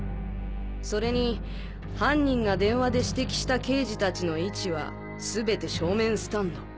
それに犯人が電話で指摘した刑事たちの位置はすべて正面スタンド。